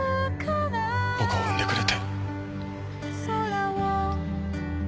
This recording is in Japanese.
僕を産んでくれて。